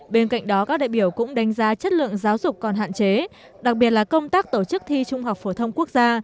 bên cạnh đó các đại biểu cũng đánh giá chất lượng giáo dục còn hạn chế đặc biệt là công tác tổ chức thi trung học phổ thông quốc gia